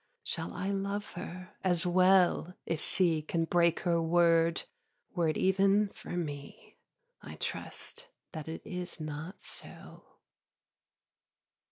Shall I love her as well if she Can break her word were it even for me? I trust that it is not so.